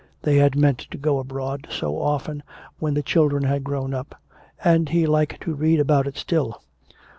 They had meant to go abroad so often when the children had grown up. And he liked to read about it still.